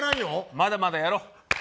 まだまだやろう。